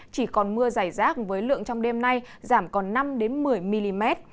chỉ còn mưa dài rác với lượng trong đêm nay giảm còn năm một mươi mm